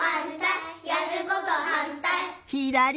ひだり！